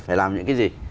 phải làm những cái gì